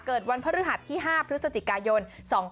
เกิดวันพฤหัสที่๕พฤศจิกายน๒๕๖๒